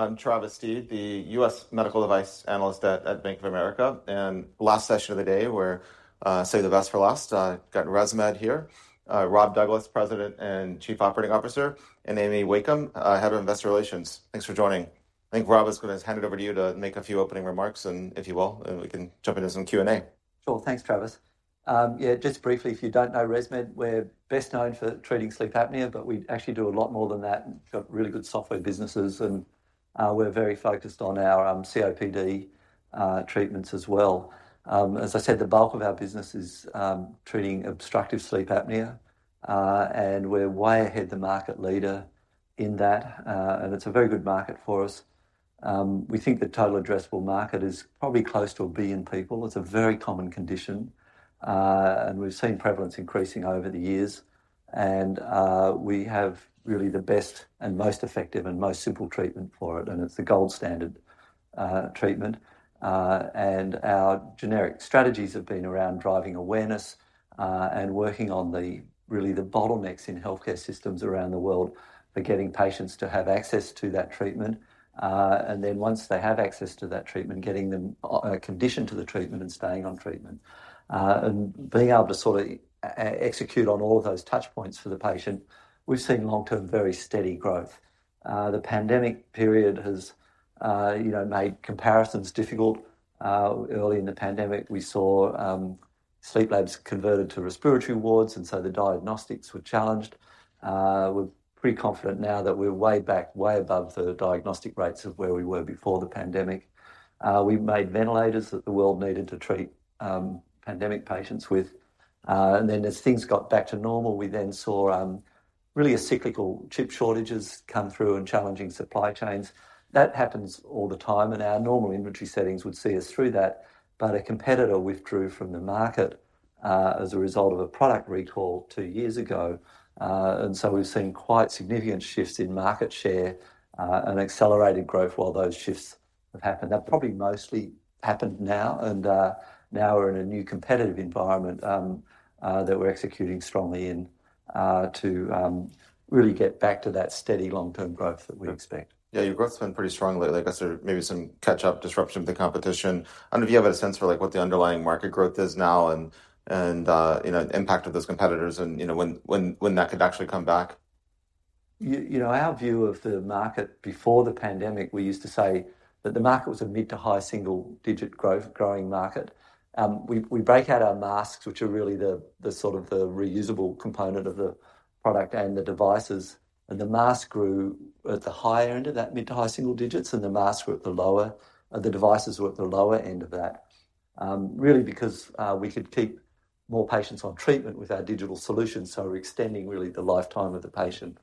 I'm Travis Steed, the U.S. medical device analyst at Bank of America, and last session of the day, we're saving the best for last. Got ResMed here, Rob Douglas, President and Chief Operating Officer, and Amy Wakeham, Head of Investor Relations. Thanks for joining. I think Rob is going to hand it over to you to make a few opening remarks, and if you will, we can jump into some Q&A. Sure. Thanks, Travis. Yeah, just briefly, if you don't know ResMed, we're best known for treating sleep apnea, but we actually do a lot more than that, and got really good software businesses, and we're very focused on our COPD treatments as well. As I said, the bulk of our business is treating obstructive sleep apnea, and we're way ahead the market leader in that, and it's a very good market for us. We think the total addressable market is probably close to 1 billion people. It's a very common condition, and we've seen prevalence increasing over the years, and we have really the best and most effective and most simple treatment for it, and it's the gold standard treatment. And our generic strategies have been around driving awareness, and working on really the bottlenecks in healthcare systems around the world for getting patients to have access to that treatment. And then once they have access to that treatment, getting them conditioned to the treatment and staying on treatment. And being able to sort of execute on all of those touch points for the patient, we've seen long-term, very steady growth. The pandemic period has, you know, made comparisons difficult. Early in the pandemic, we saw sleep labs converted to respiratory wards, and so the diagnostics were challenged. We're pretty confident now that we're way back, way above the diagnostic rates of where we were before the pandemic. We made ventilators that the world needed to treat pandemic patients with. And then as things got back to normal, we then saw really a cyclical chip shortages come through and challenging supply chains. That happens all the time, and our normal inventory settings would see us through that, but a competitor withdrew from the market as a result of a product recall two years ago. And so we've seen quite significant shifts in market share and accelerated growth while those shifts have happened. They've probably mostly happened now, and now we're in a new competitive environment that we're executing strongly in to really get back to that steady long-term growth that we expect. Yeah, your growth's been pretty strong lately. Like I said, maybe some catch-up disruption of the competition. I don't know if you have a sense for, like, what the underlying market growth is now and, you know, impact of those competitors and, you know, when that could actually come back. You know, our view of the market before the pandemic, we used to say that the market was a mid- to high-single-digit growth, growing market. We break out our masks, which are really the sort of the reusable component of the product and the devices, and the mask grew at the higher end of that mid- to high-single-digits, and the masks were at the lower. The devices were at the lower end of that. Really because we could keep more patients on treatment with our digital solutions, so we're extending really the lifetime of the patient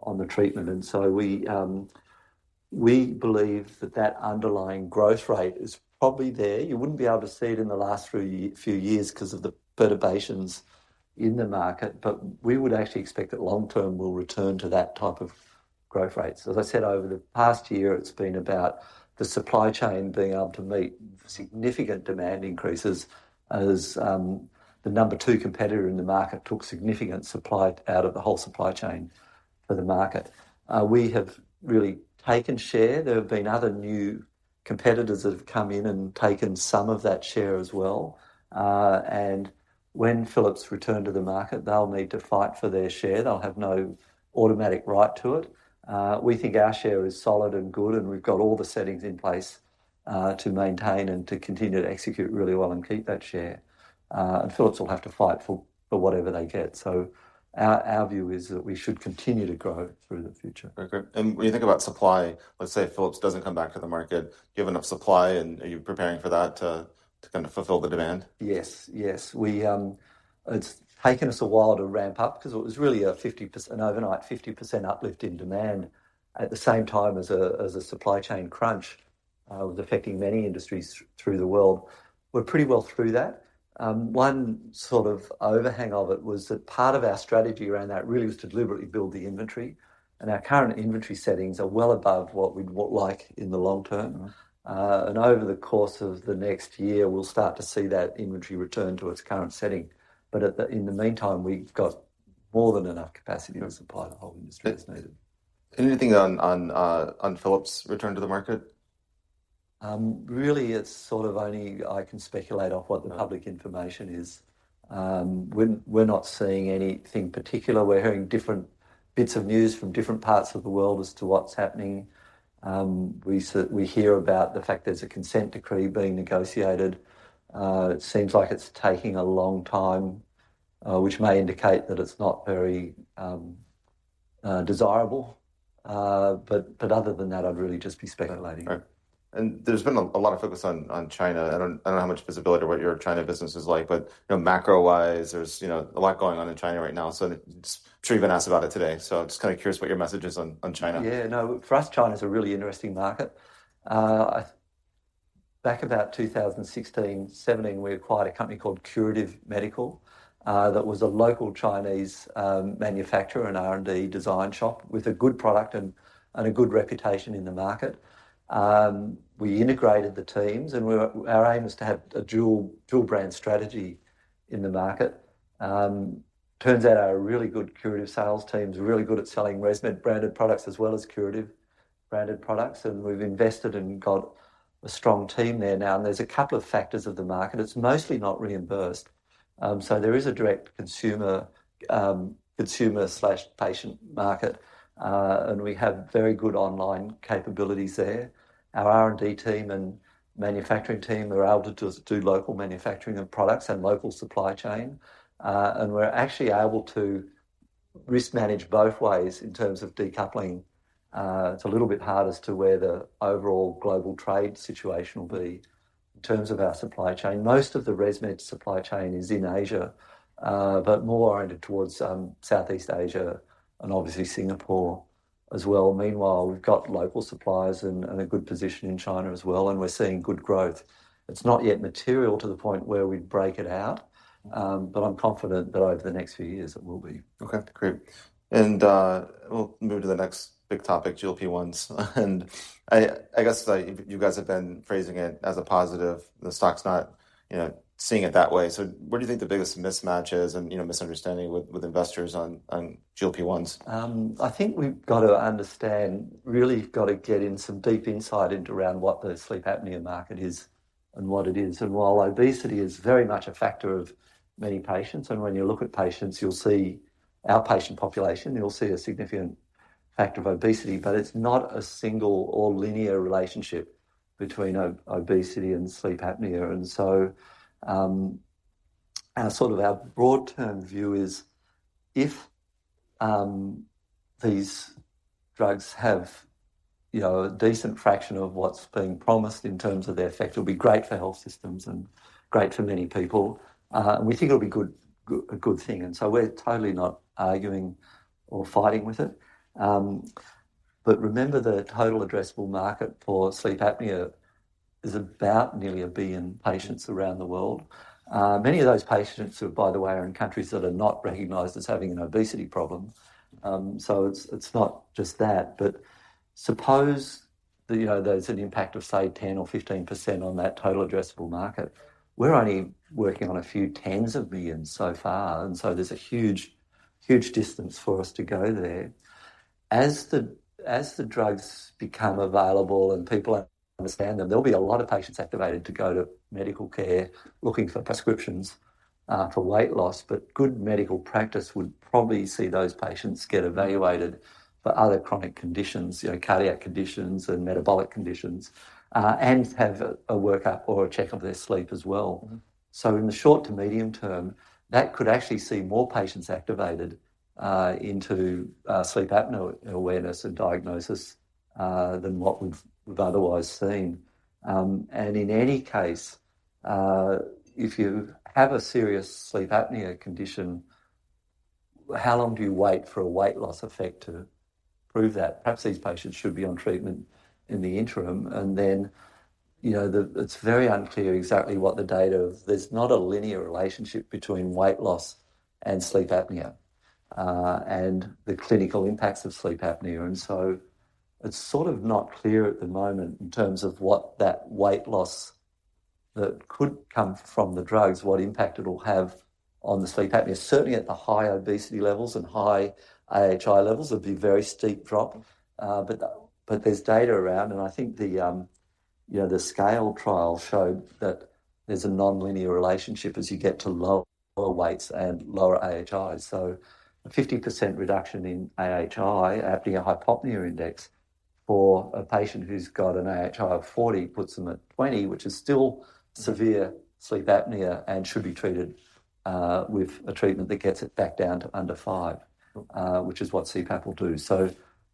on the treatment. And so we believe that that underlying growth rate is probably there. You wouldn't be able to see it in the last few years 'cause of the perturbations in the market, but we would actually expect that long term we'll return to that type of growth rate. So as I said, over the past year, it's been about the supply chain being able to meet significant demand increases as the number two competitor in the market took significant supply out of the whole supply chain for the market. We have really taken share. There have been other new competitors that have come in and taken some of that share as well. And when Philips return to the market, they'll need to fight for their share. They'll have no automatic right to it. We think our share is solid and good, and we've got all the settings in place to maintain and to continue to execute really well and keep that share. And Philips will have to fight for whatever they get. So our view is that we should continue to grow through the future. Okay. When you think about supply, let's say Philips doesn't come back to the market, do you have enough supply, and are you preparing for that to kinda fulfill the demand? Yes. Yes. We... It's taken us a while to ramp up because it was really a 50%-- an overnight 50% uplift in demand at the same time as a, as a supply chain crunch, was affecting many industries through the world. We're pretty well through that. One sort of overhang of it was that part of our strategy around that really was to deliberately build the inventory, and our current inventory settings are well above what we'd want like in the long term. Mm. And over the course of the next year, we'll start to see that inventory return to its current setting. But in the meantime, we've got more than enough capacity- Okay... to supply the whole industry if needed. Anything on Philips' return to the market? Really, it's sort of only I can speculate off what the public information is. We're not seeing anything particular. We're hearing different bits of news from different parts of the world as to what's happening. We hear about the fact there's a consent decree being negotiated. It seems like it's taking a long time, which may indicate that it's not very desirable. But other than that, I'd really just be speculating. All right. And there's been a lot of focus on China. I don't know how much visibility what your China business is like, but, you know, macro-wise, there's, you know, a lot going on in China right now, so I'm sure you've been asked about it today. So I'm just kinda curious what your message is on China. Yeah, no, for us, China is a really interesting market. Back about 2016, 2017, we acquired a company called Curative Medical, that was a local Chinese manufacturer and R&D design shop with a good product and a good reputation in the market. We integrated the teams, and our aim was to have a dual brand strategy in the market. Turns out our really good Curative sales team is really good at selling ResMed branded products as well as Curative branded products, and we've invested and got a strong team there now. And there's a couple of factors of the market. It's mostly not reimbursed, so there is a direct consumer/patient market, and we have very good online capabilities there. Our R&D team and manufacturing team are able to just do local manufacturing of products and local supply chain, and we're actually able to risk manage both ways in terms of decoupling. It's a little bit hard as to where the overall global trade situation will be in terms of our supply chain. Most of the ResMed supply chain is in Asia, but more oriented towards, Southeast Asia and obviously Singapore as well. Meanwhile, we've got local suppliers and, and a good position in China as well, and we're seeing good growth. It's not yet material to the point where we'd break it out, but I'm confident that over the next few years, it will be. Okay, great. And we'll move to the next big topic, GLP-1s. And I guess, like, you guys have been phrasing it as a positive. The stock's not, you know, seeing it that way. So what do you think the biggest mismatch is and, you know, misunderstanding with investors on GLP-1s? I think we've got to understand, really got to get in some deep insight into around what the sleep apnea market is and what it isn't. While obesity is very much a factor of many patients, and when you look at patients, you'll see our patient population, you'll see a significant factor of obesity, but it's not a single or linear relationship between obesity and sleep apnea. And so, our sort of our broad term view is if these drugs have, you know, a decent fraction of what's being promised in terms of their effect, it'll be great for health systems and great for many people. And we think it'll be good, a good thing, and so we're totally not arguing or fighting with it. But remember, the total addressable market for sleep apnea is about nearly a billion patients around the world. Many of those patients who, by the way, are in countries that are not recognized as having an obesity problem, so it's, it's not just that. But suppose that, you know, there's an impact of, say, 10% or 15% on that total addressable market. We're only working on a few tens of millions so far, and so there's a huge, huge distance for us to go there. As the, as the drugs become available and people understand them, there'll be a lot of patients activated to go to medical care, looking for prescriptions, for weight loss. But good medical practice would probably see those patients get evaluated for other chronic conditions, you know, cardiac conditions and metabolic conditions, and have a, a workup or a check of their sleep as well. Mm-hmm. So in the short to medium term, that could actually see more patients activated into sleep apnea awareness and diagnosis than what we've otherwise seen. And in any case, if you have a serious sleep apnea condition, how long do you wait for a weight loss effect to prove that? Perhaps these patients should be on treatment in the interim, and then, you know, it's very unclear exactly what the data of. There's not a linear relationship between weight loss and sleep apnea, and the clinical impacts of sleep apnea. And so it's sort of not clear at the moment in terms of what that weight loss that could come from the drugs, what impact it'll have on the sleep apnea. Certainly, at the high obesity levels and high AHI levels, it'd be a very steep drop. But there's data around, and I think you know, the SCALE Trial showed that there's a nonlinear relationship as you get to lower, lower weights and lower AHIs. So a 50% reduction in AHI, Apnea-Hypopnea Index, for a patient who's got an AHI of 40 puts them at 20, which is still severe sleep apnea and should be treated with a treatment that gets it back down to under 5- Mm-hmm... which is what CPAP will do. So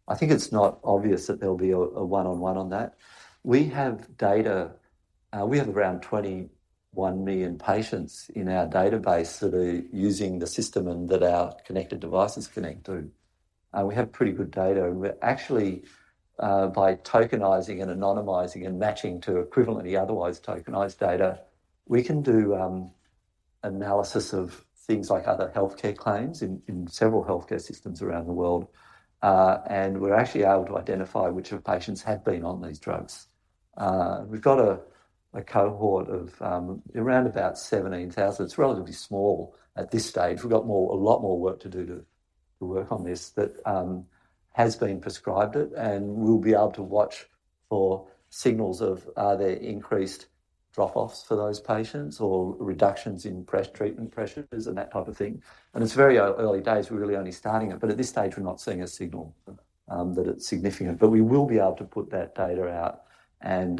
I think it's not obvious that there'll be a one-on-one on that. We have data. We have around 21 million patients in our database that are using the system and that our connected devices connect to. We have pretty good data, and we're actually by tokenizing and anonymizing and matching to equivalently otherwise tokenized data, we can do analysis of things like other healthcare claims in several healthcare systems around the world. And we're actually able to identify which of the patients have been on these drugs. We've got a cohort of around about 17,000. It's relatively small at this stage. We've got more—a lot more work to do to work on this, but has been prescribed it, and we'll be able to watch for signals of, are there increased drop-offs for those patients or reductions in treatment pressures and that type of thing. And it's very early days. We're really only starting it, but at this stage, we're not seeing a signal- Mm-hmm... that it's significant. But we will be able to put that data out and,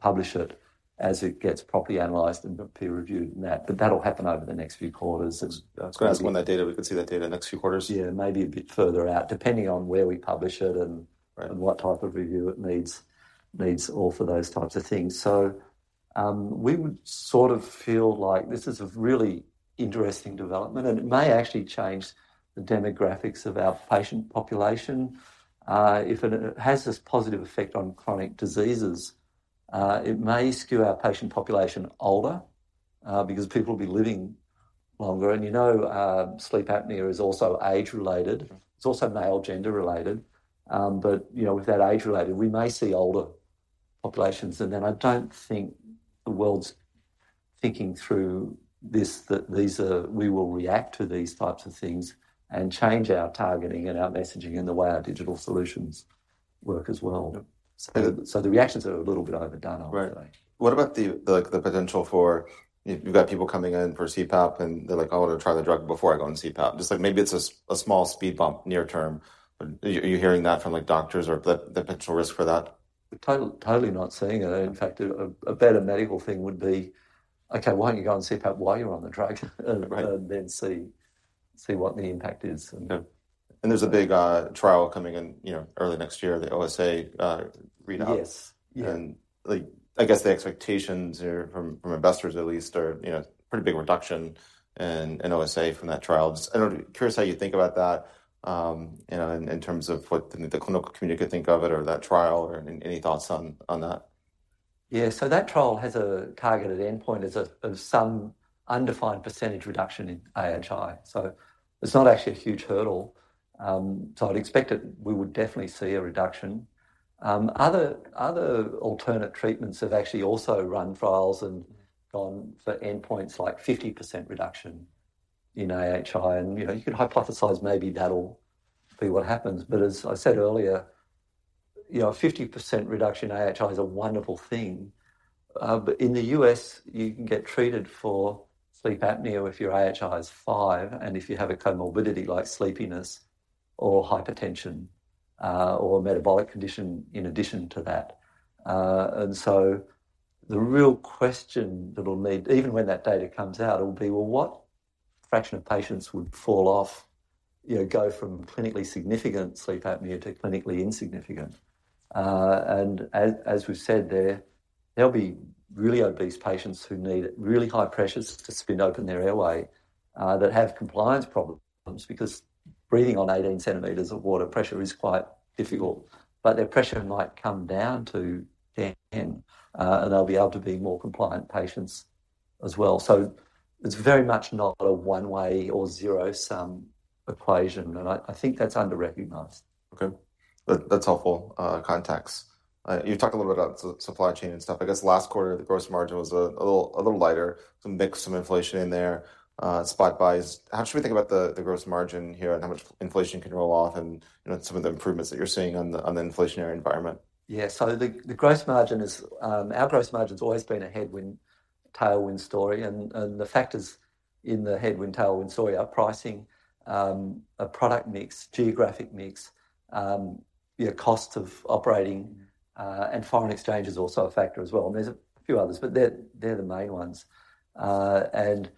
publish it as it gets properly analyzed and peer-reviewed and that. But that'll happen over the next few quarters. It's, Can I ask when we can see that data the next few quarters? Yeah, maybe a bit further out, depending on where we publish it and- Right... and what type of review it needs or for those types of things. So, we would sort of feel like this is a really interesting development, and it may actually change the demographics of our patient population. If it has this positive effect on chronic diseases, it may skew our patient population older, because people will be living longer. And, you know, sleep apnea is also age-related. Mm-hmm. It's also male gender-related. But, you know, with that age-related, we may see older populations, and then I don't think the world's thinking through this, that we will react to these types of things and change our targeting and our messaging in the way our digital solutions work as well. Yep. So the reactions are a little bit overdone, I would say. Right. What about the, like, the potential for you've got people coming in for CPAP, and they're like, "I want to try the drug before I go on CPAP?" Just like maybe it's a small speed bump near term. But are you hearing that from, like, doctors or the potential risk for that? Totally not seeing it. In fact, a better medical thing would be, "Okay, why don't you go on CPAP while you're on the drug. Right. And then see what the impact is? Yeah. And there's a big trial coming in, you know, early next year, the OSA readout. Yes. Yeah. Like, I guess the expectations are from investors at least are, you know, pretty big reduction in OSA from that trial. Just, I'm curious how you think about that, you know, in terms of what the clinical community could think of it or that trial, or any thoughts on that? Yeah. So that trial has a targeted endpoint of some undefined percentage reduction in AHI, so it's not actually a huge hurdle. So I'd expect that we would definitely see a reduction. Other alternate treatments have actually also run trials and gone for endpoints like 50% reduction in AHI, and, you know, you could hypothesize maybe that'll be what happens. But as I said earlier, you know, a 50% reduction in AHI is a wonderful thing. But in the U.S., you can get treated for sleep apnea if your AHI is five and if you have a comorbidity like sleepiness or hypertension, or metabolic condition in addition to that. And so, the real question that'll need—even when that data comes out, it'll be, well, what fraction of patients would fall off, you know, go from clinically significant sleep apnea to clinically insignificant? And as we've said there, there'll be really obese patients who need really high pressures to spin open their airway, that have compliance problems because breathing on 18 cm of water pressure is quite difficult. But their pressure might come down to 10, and they'll be able to be more compliant patients as well. So, it's very much not a one-way or zero-sum equation, and I think that's underrecognized. Okay. That, that's helpful, context. You talked a little bit about the supply chain and stuff. I guess last quarter, the gross margin was a little lighter, some mix, some inflation in there, spot buys. How should we think about the gross margin here and how much inflation can roll off and, you know, some of the improvements that you're seeing on the, on the inflationary environment? Yeah. So the gross margin is... Our gross margins always been a headwind, tailwind story, and the factors in the headwind, tailwind story are pricing, a product mix, geographic mix, you know, cost of operating, and foreign exchange is also a factor as well. And there's a few others, but they're the main ones. And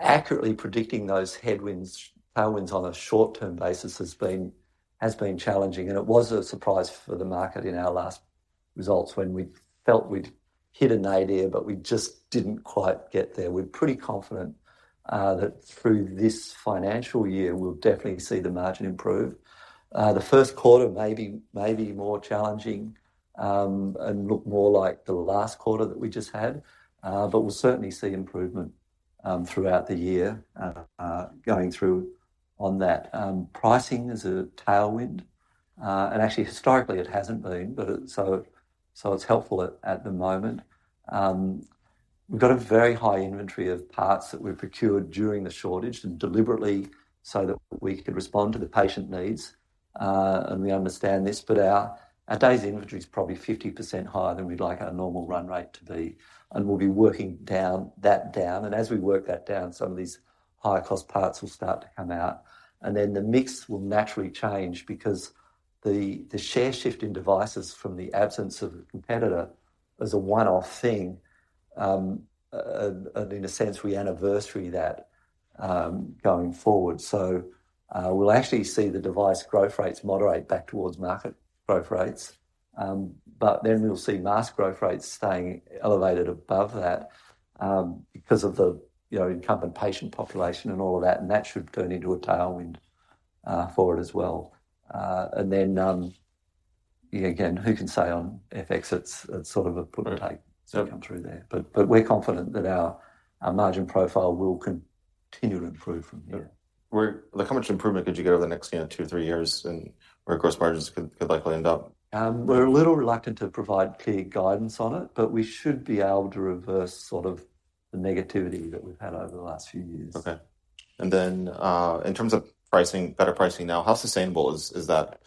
accurately predicting those headwinds, tailwinds on a short-term basis has been challenging, and it was a surprise for the market in our last results when we felt we'd hit a nine here, but we just didn't quite get there. We're pretty confident that through this financial year, we'll definitely see the margin improve. The Q1 may be more challenging and look more like the last quarter that we just had, but we'll certainly see improvement throughout the year, going through on that. Pricing is a tailwind, and actually historically it hasn't been, but it, so, so it's helpful at the moment. We've got a very high inventory of parts that we've procured during the shortage and deliberately so that we could respond to the patient needs, and we understand this, but our days inventory is probably 50% higher than we'd like our normal run rate to be, and we'll be working that down. And as we work that down, some of these higher-cost parts will start to come out, and then the mix will naturally change because the share shift in devices from the absence of a competitor is a one-off thing. And in a sense, we anniversary that, going forward. So, we'll actually see the device growth rates moderate back towards market growth rates, but then we'll see mask growth rates staying elevated above that, because of the, you know, incumbent patient population and all of that, and that should turn into a tailwind, for it as well. And then, again, who can say on FX? It's sort of a put or take- Sure -to come through there. But, but we're confident that our, our margin profile will continue to improve from here. Where, like, how much improvement could you get over the next, you know, two, three years and where gross margins could likely end up? We're a little reluctant to provide clear guidance on it, but we should be able to reverse sort of the negativity that we've had over the last few years. Okay. And then, in terms of pricing, better pricing now, how sustainable is that?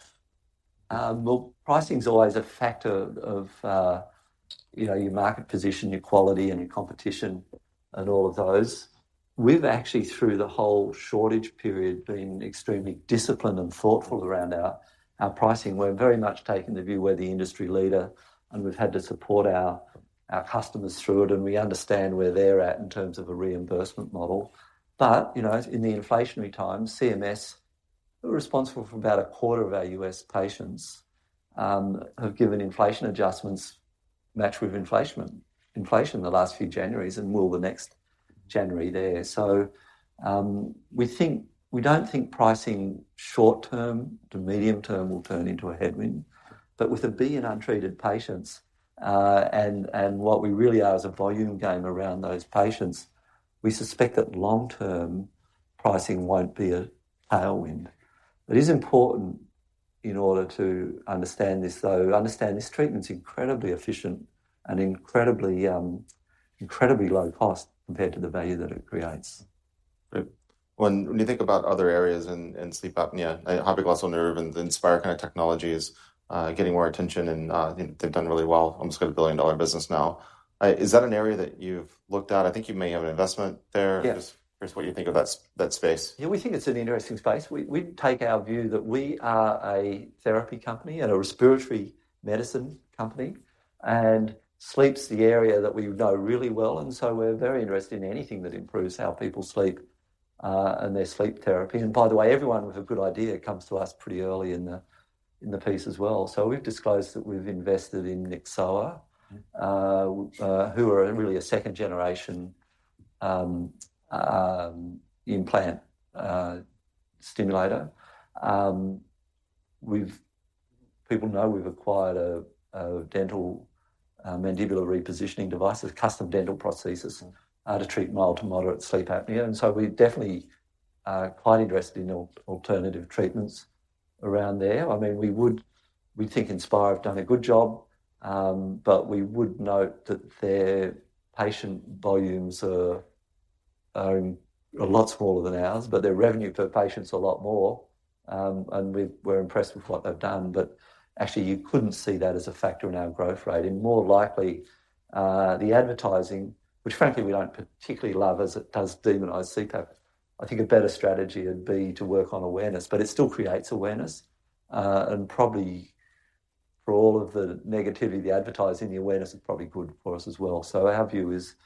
Well, pricing's always a factor of, you know, your market position, your quality, and your competition, and all of those. We've actually, through the whole shortage period, been extremely disciplined and thoughtful around our, our pricing. We're very much taking the view we're the industry leader, and we've had to support our, our customers through it, and we understand where they're at in terms of a reimbursement model. But, you know, in the inflationary times, CMS, who are responsible for about a quarter of our U.S. patients, have given inflation adjustments match with inflation, inflation the last few Januaries and will the next January there. So, we think, we don't think pricing short term to medium term will turn into a headwind. But with 1 billion untreated patients, and what we really are is a volume game around those patients, we suspect that long-term pricing won't be a tailwind. It is important in order to understand this, though, this treatment's incredibly efficient and incredibly low cost compared to the value that it creates. But when, when you think about other areas in, in sleep apnea, hypoglossal nerve and the Inspire kind of technology is getting more attention, and they've done really well. Almost got a billion-dollar business now. Is that an area that you've looked at? I think you may have an investment there. Yes. Just curious what you think of that space? Yeah, we think it's an interesting space. We take our view that we are a therapy company and a respiratory medicine company, and sleep's the area that we know really well, and so we're very interested in anything that improves how people sleep and their sleep therapy. And by the way, everyone with a good idea comes to us pretty early in the piece as well. So we've disclosed that we've invested in Nyxoah, who are really a second-generation implant stimulator. People know we've acquired a dental mandibular repositioning device, a custom dental prosthesis to treat mild to moderate sleep apnea, and so we're definitely quite interested in alternative treatments around there. I mean, we would—we think Inspire have done a good job, but we would note that their patient volumes are a lot smaller than ours, but their revenue per patient's a lot more. And we've—we're impressed with what they've done, but actually, you couldn't see that as a factor in our growth rate, and more likely, the advertising, which frankly, we don't particularly love, as it does demonize CPAP. I think a better strategy would be to work on awareness, but it still creates awareness. And probably for all of the negativity, the advertising, the awareness is probably good for us as well. So our view is,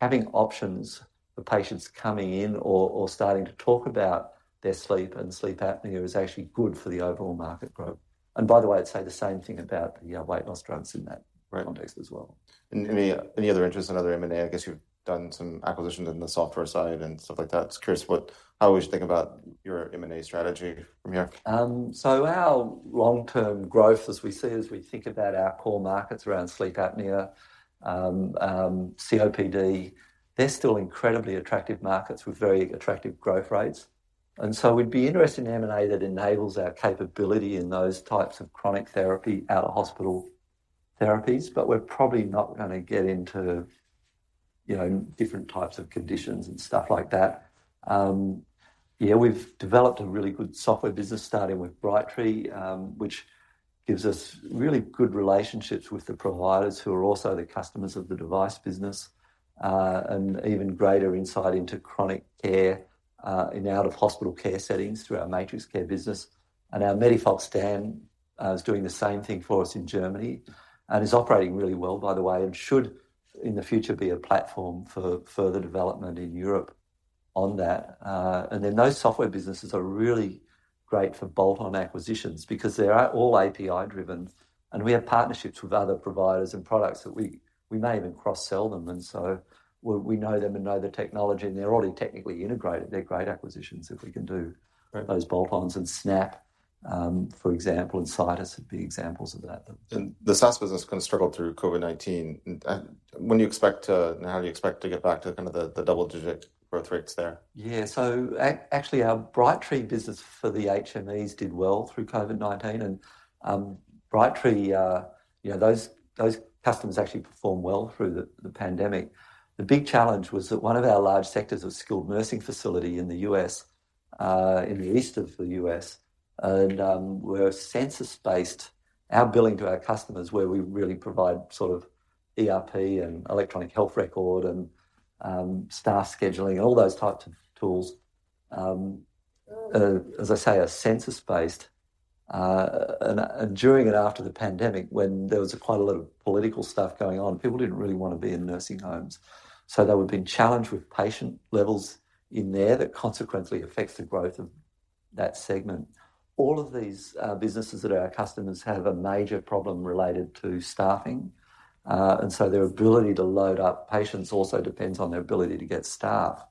having options for patients coming in or starting to talk about their sleep and sleep apnea is actually good for the overall market growth. And by the way, I'd say the same thing about the weight loss drugs in that- Right - context as well. Any other interest in other M&A? I guess you've done some acquisitions in the software side and stuff like that. Just curious what, how we should think about your M&A strategy from here. So our long-term growth as we see as we think about our core markets around sleep apnea, COPD, they're still incredibly attractive markets with very attractive growth rates, and so we'd be interested in M&A that enables our capability in those types of chronic therapy, out-of-hospital therapies, but we're probably not going to get into, you know, different types of conditions and stuff like that. Yeah, we've developed a really good software business starting with Brightree, which gives us really good relationships with the providers who are also the customers of the device business, and even greater insight into chronic care, in out-of-hospital care settings through our MatrixCare business. And our MediFox Dan is doing the same thing for us in Germany and is operating really well, by the way, and should, in the future, be a platform for further development in Europe on that. And then those software businesses are really great for bolt-on acquisitions because they are all API-driven, and we have partnerships with other providers and products that we, we may even cross-sell them. And so, we, we know them and know their technology, and they're already technically integrated. They're great acquisitions if we can do- Right - those bolt-ons, and Snap, for example, and Citus Health would be examples of that. The SaaS business kind of struggled through COVID-19. When do you expect to... and how do you expect to get back to kind of the double-digit growth rates there? Yeah. So actually, our Brightree business for the HMEs did well through COVID-19. Brightree, you know, those customers actually performed well through the pandemic. The big challenge was that one of our large sectors was skilled nursing facility in the U.S., in the east of the U.S., and we're census-based. Our billing to our customers, where we really provide sort of ERP and electronic health record and staff scheduling and all those types of tools, as I say, are census-based. And during and after the pandemic, when there was quite a lot of political stuff going on, people didn't really want to be in nursing homes, so there would have been challenge with patient levels in there that consequently affects the growth of that segment. All of these businesses that are our customers have a major problem related to staffing, and so their ability to load up patients also depends on their ability to get staff.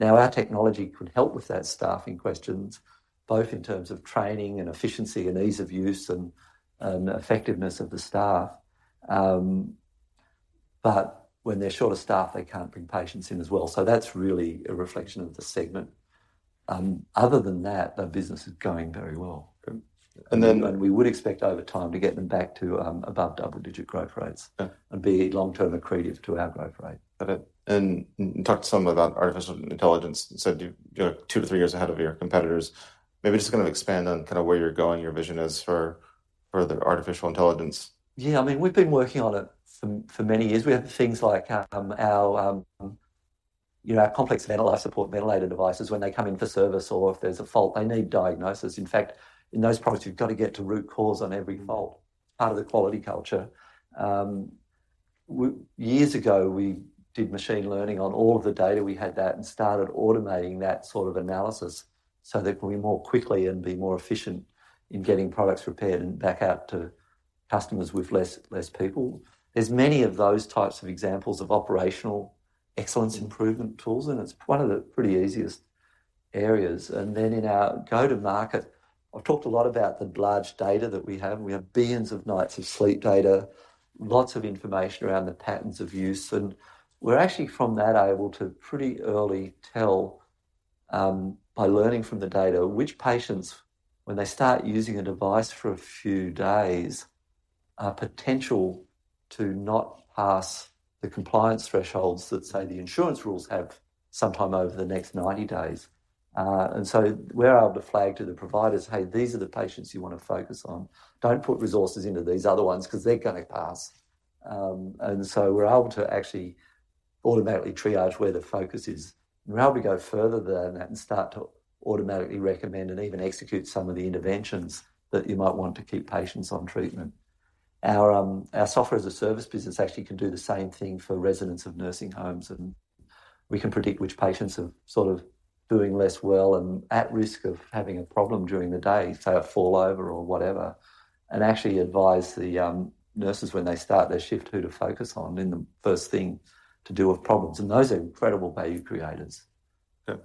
Now, our technology could help with that staffing questions, both in terms of training and efficiency and ease of use and, and effectiveness of the staff. But when they're short of staff, they can't bring patients in as well, so that's really a reflection of the segment. Other than that, the business is going very well. Good. And then- And we would expect over time to get them back to, above double-digit growth rates. Uh - and be long-term accretive to our growth rate. Okay. And talk to some about artificial intelligence. You said you're 2-3 years ahead of your competitors. Maybe just kind of expand on kind of where you're going, your vision is for, for the artificial intelligence. Yeah, I mean, we've been working on it for, for many years. We have things like, our, you know, our complex ventilator-support ventilator devices. When they come in for service or if there's a fault, they need diagnosis. In fact, in those products, you've got to get to root cause on every fault, part of the quality culture. Years ago, we did machine learning on all of the data we had that and started automating that sort of analysis, so that we could more quickly and be more efficient in getting products repaired and back out to customers with less, less people. There's many of those types of examples of operational excellence improvement tools, and it's one of the pretty easiest areas. Then in our go-to-market, I've talked a lot about the large data that we have, and we have billions of nights of sleep data, lots of information around the patterns of use, and we're actually from that able to pretty early tell by learning from the data, which patients, when they start using a device for a few days, are potential to not pass the compliance thresholds that, say, the insurance rules have sometime over the next 90 days. And so we're able to flag to the providers: "Hey, these are the patients you want to focus on. Don't put resources into these other ones because they're going to pass." And so we're able to actually automatically triage where the focus is. We're able to go further than that and start to automatically recommend and even execute some of the interventions that you might want to keep patients on treatment. Our software-as-a-service business actually can do the same thing for residents of nursing homes, and we can predict which patients are sort of doing less well and at risk of having a problem during the day, say, a fall over or whatever, and actually advise the nurses when they start their shift who to focus on and the first thing to do with problems. Those are incredible value creators. Yep.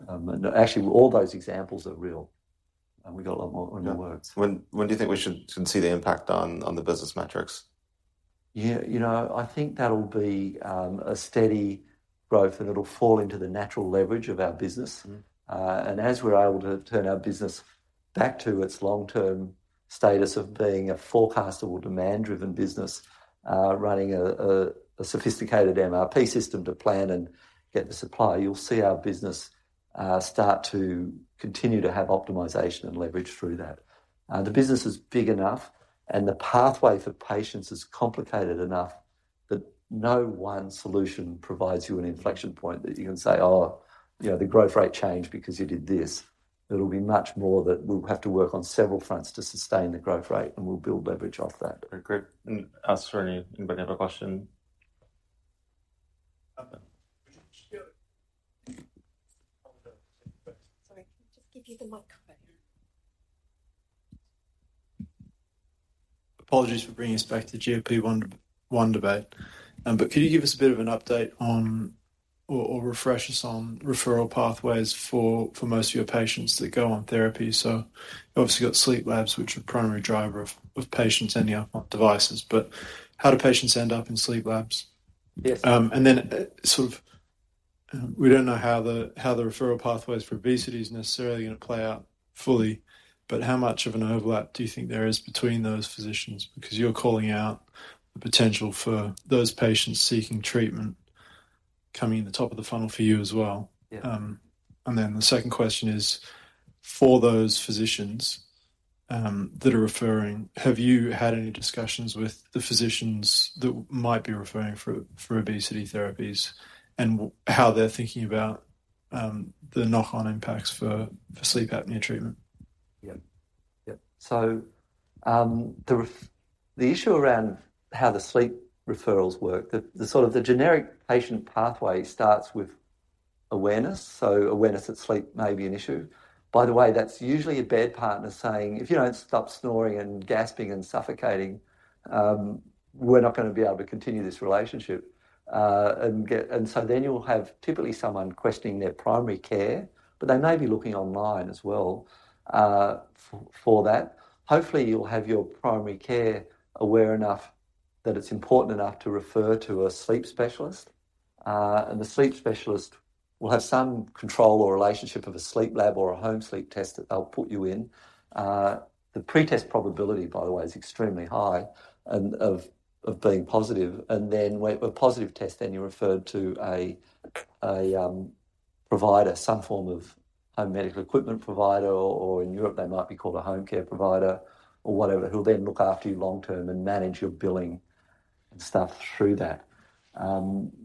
Actually, all those examples are real, and we've got a lot more in the works. When do you think we should see the impact on the business metrics? Yeah, you know, I think that'll be a steady growth, and it'll fall into the natural leverage of our business. Mm-hmm. And as we're able to turn our business back to its long-term status of being a forecast or demand-driven business, running a sophisticated MRP system to plan and get the supply, you'll see our business start to continue to have optimization and leverage through that. The business is big enough, and the pathway for patients is complicated enough that no one solution provides you an inflection point that you can say, "Oh, you know, the growth rate changed because you did this." It'll be much more that we'll have to work on several fronts to sustain the growth rate, and we'll build leverage off that. Okay, great. Does anybody have a question? Sorry, can I just give you the mic? Apologies for bringing us back to the GLP-1, one debate. But could you give us a bit of an update on or refresh us on referral pathways for most of your patients that go on therapy? So, you've obviously got sleep labs, which are a primary driver of patients ending up on devices, but how do patients end up in sleep labs? Yes. And then, sort of, we don't know how the referral pathways for obesity is necessarily going to play out fully, but how much of an overlap do you think there is between those physicians? Because you're calling out the potential for those patients seeking treatment coming in the top of the funnel for you as well. Yeah. And then the second question is, for those physicians that are referring, have you had any discussions with the physicians that might be referring for obesity therapies and how they're thinking about the knock-on impacts for sleep apnea treatment? Yeah. So, the issue around how the sleep referrals work, the sort of the generic patient pathway starts with awareness, so awareness that sleep may be an issue. By the way, that's usually a bed partner saying, "If you don't stop snoring and gasping and suffocating, we're not going to be able to continue this relationship." And so then you'll have typically someone questioning their primary care, but they may be looking online as well, for that. Hopefully, you'll have your primary care aware enough that it's important enough to refer to a sleep specialist, and the sleep specialist will have some control or relationship with a sleep lab or a home sleep test that they'll put you in. The pretest probability, by the way, is extremely high of being positive, and then when a positive test, then you're referred to a provider, some form of home medical equipment provider, or in Europe, they might be called a home care provider or whatever, who'll then look after you long-term and manage your billing and stuff through that.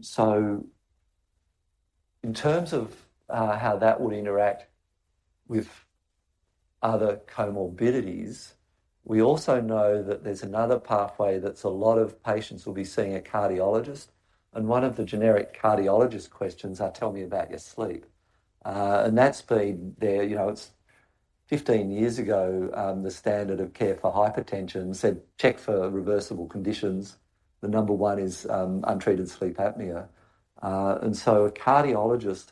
So in terms of how that would interact with other comorbidities, we also know that there's another pathway, that's a lot of patients will be seeing a cardiologist, and one of the generic cardiologist questions are: Tell me about your sleep. And that's been there, you know, it's 15 years ago, the standard of care for hypertension said, "Check for reversible conditions." The number one is untreated sleep apnea. And so a cardiologist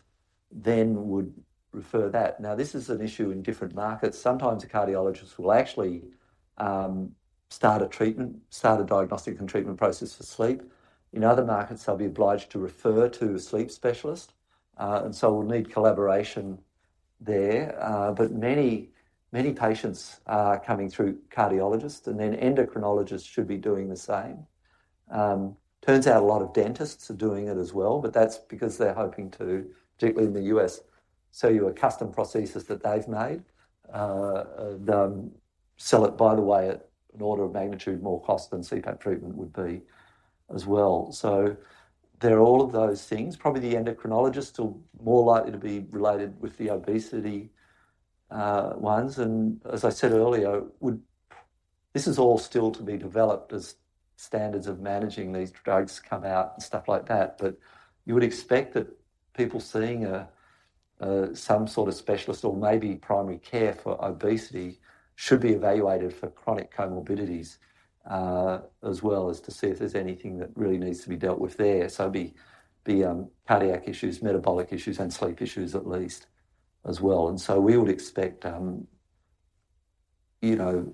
then would refer that. Now, this is an issue in different markets. Sometimes a cardiologist will actually start a treatment, start a diagnostic and treatment process for sleep. In other markets, they'll be obliged to refer to a sleep specialist, and so we'll need collaboration there. But many, many patients are coming through cardiologists, and then endocrinologists should be doing the same. Turns out a lot of dentists are doing it as well, but that's because they're hoping to, particularly in the U.S., sell you a custom prosthesis that they've made. Sell it, by the way, at an order of magnitude more cost than CPAP treatment would be as well. So there are all of those things. Probably, the endocrinologists are more likely to be related with the obesity ones, and as I said earlier, would. This is all still to be developed as standards of managing these drugs come out and stuff like that. But you would expect that people seeing some sort of specialist or maybe primary care for obesity should be evaluated for chronic comorbidities as well as to see if there's anything that really needs to be dealt with there. So it'd be cardiac issues, metabolic issues, and sleep issues at least as well. And so we would expect, you know,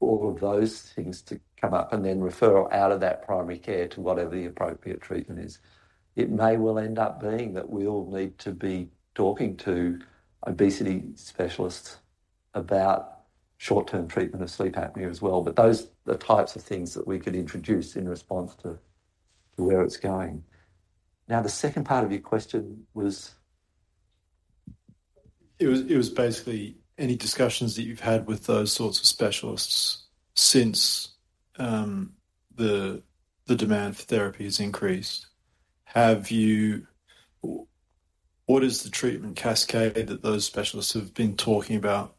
all of those things to come up and then referral out of that primary care to whatever the appropriate treatment is. It may well end up being that we all need to be talking to obesity specialists about short-term treatment of sleep apnea as well, but those are the types of things that we could introduce in response to where it's going. Now, the second part of your question was? It was basically any discussions that you've had with those sorts of specialists since the demand for therapy has increased. What is the treatment cascade that those specialists have been talking about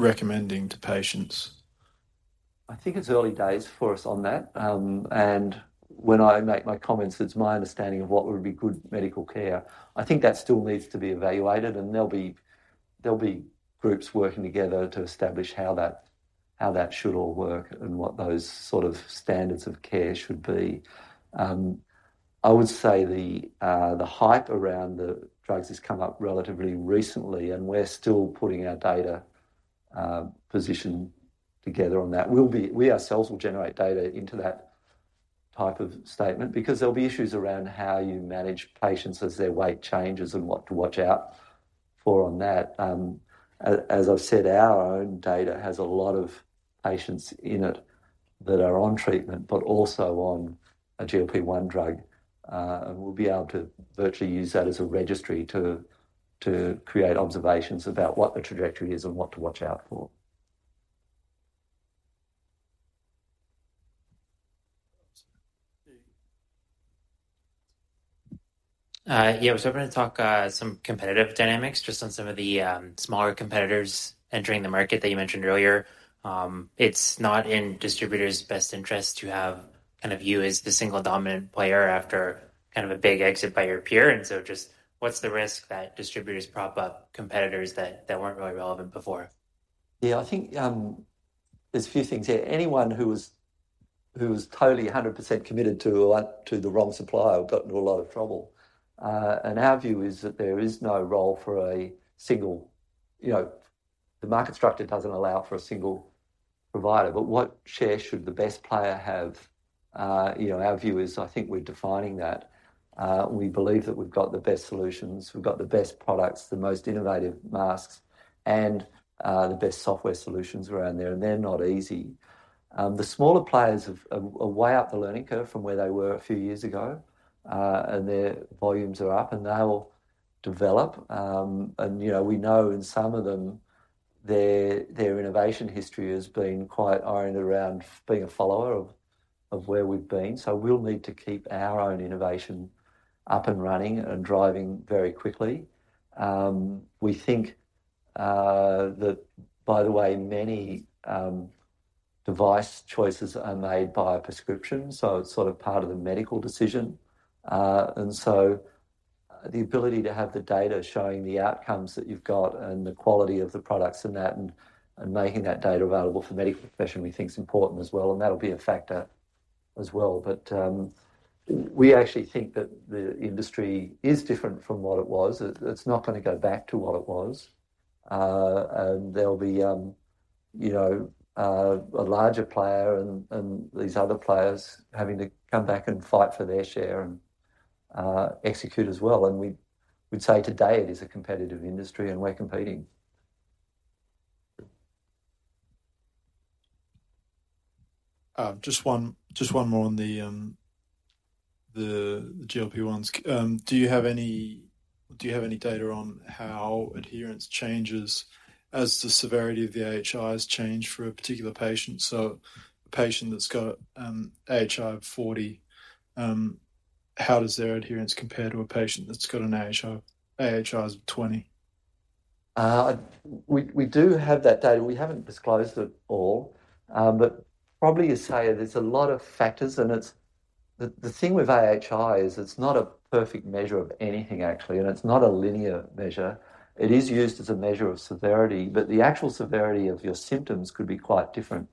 recommending to patients? I think it's early days for us on that. And when I make my comments, it's my understanding of what would be good medical care. I think that still needs to be evaluated, and there'll be groups working together to establish how that should all work and what those sort of standards of care should be. I would say the hype around the drugs has come up relatively recently, and we're still putting our data position together on that. We ourselves will generate data into that type of statement because there'll be issues around how you manage patients as their weight changes and what to watch out for on that. As I've said, our own data has a lot of patients in it that are on treatment, but also on a GLP-1 drug. We'll be able to virtually use that as a registry to create observations about what the trajectory is and what to watch out for. Yeah, I was hoping to talk some competitive dynamics just on some of the smaller competitors entering the market that you mentioned earlier. It's not in distributors' best interest to have, kind of, you as the single dominant player after kind of a big exit by your peer, and so just what's the risk that distributors prop up competitors that weren't really relevant before? Yeah, I think, there's a few things here. Anyone who was totally 100% committed to the wrong supplier will get into a lot of trouble. And our view is that there is no role for a single. You know, the market structure doesn't allow for a single provider, but what share should the best player have? You know, our view is, I think we're defining that. We believe that we've got the best solutions, we've got the best products, the most innovative masks, and the best software solutions around there, and they're not easy. The smaller players have a way up the learning curve from where they were a few years ago, and their volumes are up, and they'll develop. And, you know, we know in some of them, their innovation history has been quite oriented around being a follower of where we've been. So we'll need to keep our own innovation up and running and driving very quickly. We think, by the way, that many device choices are made by a prescription, so it's sort of part of the medical decision. And so, the ability to have the data showing the outcomes that you've got and the quality of the products in that, and making that data available for medical profession, we think is important as well, and that'll be a factor as well. But, we actually think that the industry is different from what it was. It's not going to go back to what it was. And there'll be, you know, a larger player and these other players having to come back and fight for their share and execute as well, and we'd say today it is a competitive industry and we're competing. Just one, just one more on the GLP-1s. Do you have any data on how adherence changes as the severity of the AHIs change for a particular patient? So a patient that's got AHI of 40, how does their adherence compare to a patient that's got an AHI of 20? We do have that data. We haven't disclosed it all, but probably to say there's a lot of factors, and it's the thing with AHI is it's not a perfect measure of anything, actually, and it's not a linear measure. It is used as a measure of severity, but the actual severity of your symptoms could be quite different.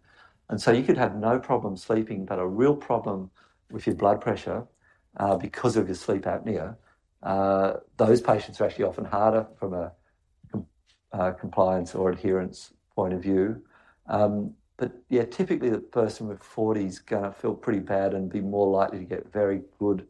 And so you could have no problem sleeping, but a real problem with your blood pressure, because of your sleep apnea. Those patients are actually often harder from a compliance or adherence point of view. But yeah, typically, the person with 40 is going to feel pretty bad and be more likely to get very good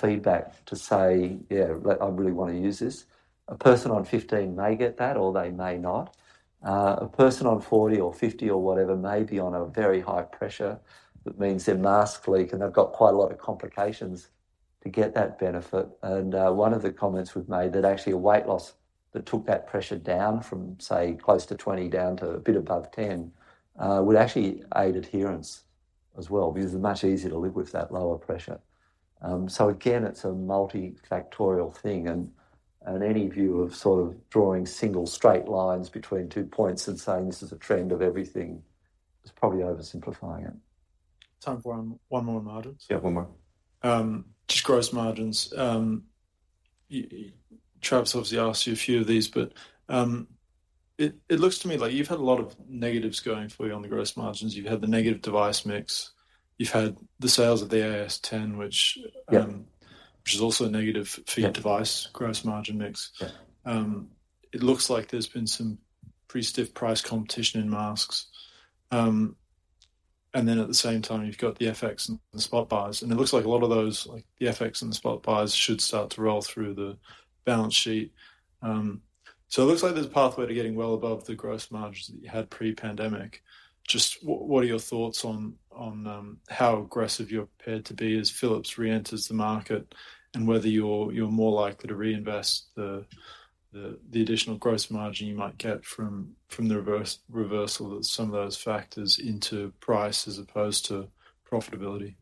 feedback to say: "Yeah, I really want to use this." A person on 15 may get that or they may not. A person on 40 or 50 or whatever may be on a very high pressure, that means their mask leak, and they've got quite a lot of complications to get that benefit. And, one of the comments we've made, that actually a weight loss that took that pressure down from, say, close to 20 down to a bit above 10, would actually aid adherence as well, because it's much easier to live with that lower pressure. So again, it's a multifactorial thing, and, and any view of sort of drawing single straight lines between two points and saying this is a trend of everything is probably oversimplifying it. Time for one, one more on margins? Yeah, one more. Just gross margins. Travis obviously asked you a few of these, but it looks to me like you've had a lot of negatives going for you on the gross margins. You've had the negative device mix, you've had the sales of the AS10, which- Yeah... is also a negative for- Yeah... your device gross margin mix. Yeah. It looks like there's been some pretty stiff price competition in masks. And then at the same time, you've got the FX and the spot buys, and it looks like a lot of those, like the FX and the spot buys, should start to roll through the balance sheet. So it looks like there's a pathway to getting well above the gross margins that you had pre-pandemic. Just what, what are your thoughts on, on, how aggressive you're prepared to be as Philips reenters the market, and whether you're, you're more likely to reinvest the, the, the additional gross margin you might get from, from the reversal of some of those factors into price as opposed to profitability?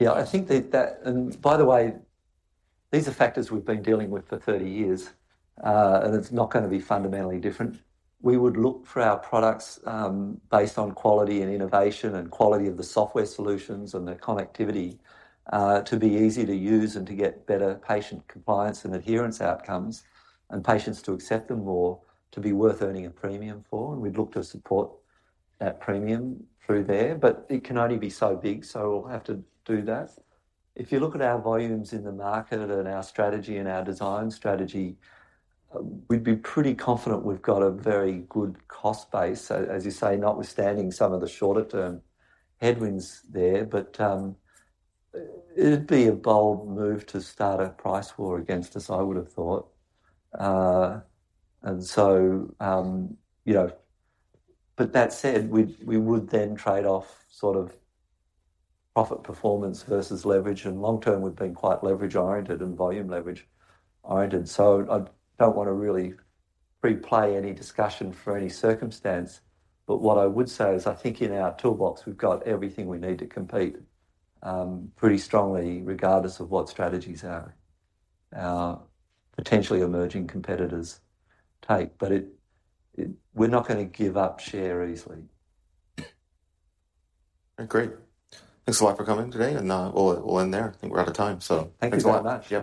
Yeah, I think that. And by the way, these are factors we've been dealing with for 30 years, and it's not going to be fundamentally different. We would look for our products, based on quality and innovation, and quality of the software solutions and the connectivity, to be easy to use and to get better patient compliance and adherence outcomes, and patients to accept them more, to be worth earning a premium for, and we'd look to support that premium through there. But it can only be so big, so we'll have to do that. If you look at our volumes in the market and our strategy and our design strategy, we'd be pretty confident we've got a very good cost base, so as you say, notwithstanding some of the shorter term headwinds there. But, it'd be a bold move to start a price war against us, I would have thought. And so, you know... But that said, we would then trade off sort of profit performance versus leverage, and long term, we've been quite leverage-oriented and volume leverage-oriented. So I don't want to really preplay any discussion for any circumstance, but what I would say is, I think in our toolbox, we've got everything we need to compete pretty strongly, regardless of what strategies our potentially emerging competitors take. But it. We're not going to give up share easily. Great. Thanks a lot for coming today, and we'll end there. I think we're out of time, so thanks a lot. Thank you so much. Yep.